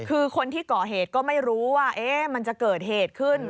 คือคนที่ก่อเหตุก็ไม่รู้ว่ามันจะเกิดเหตุขึ้น